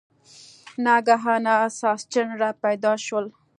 ناګهانه ساسچن را پیدا شول.